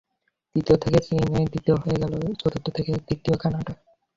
তৃতীয় থেকে চীন তাই দ্বিতীয় হয়ে গেল, চতুর্থ থেকে তৃতীয় কানাডা।